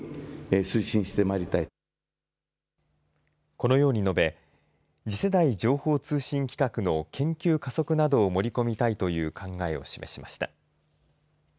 このように述べ次世代情報通信規格の研究加速などを盛り込みたいという考えを示しました。